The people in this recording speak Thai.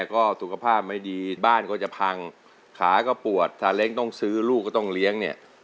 ก็สุขภาพไม่ดีบ้านก็จะพังขาก็ปวดถ้าเล้งต้องซื้อลูกก็ต้องเลี้ยงเนี่ย